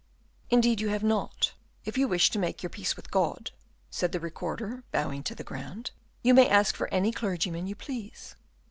"Indeed you have not, if you wish to make your peace with God," said the Recorder, bowing to the ground. "You may ask for any clergyman you please."